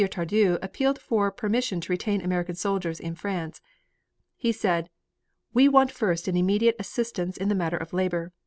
Tardieu appealed for permission to retain American soldiers in France. He said: "We want first an immediate assistance in the matter of labor.